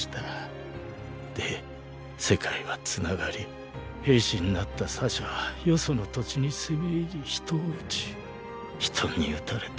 で世界はつながり兵士んなったサシャは他所の土地に攻め入り人を撃ち人に撃たれた。